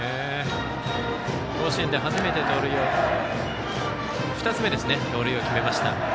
甲子園で２つ目の盗塁を決めました。